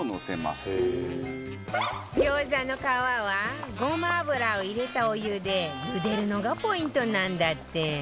餃子の皮はごま油を入れたお湯でゆでるのがポイントなんだって